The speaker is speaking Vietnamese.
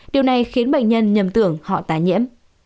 điều này khiến bệnh nhân nhầm tưởng họ tái nhiễm